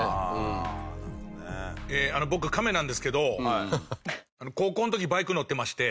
僕カメなんですけど高校の時バイクに乗ってまして。